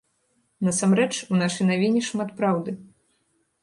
Насамрэч, у нашай навіне шмат праўды.